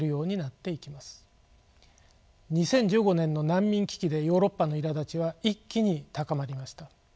２０１５年の難民危機でヨーロッパのいらだちは一気に高まりました。